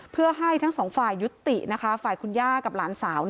เพื่อให้ทั้งสองฝ่ายยุตินะคะฝ่ายคุณย่ากับหลานสาว